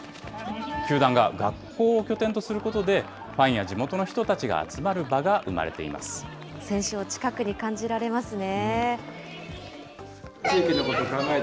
球団が学校を拠点とすることで、ファンや地元の人たちが集まる場選手を近くに感じられますね。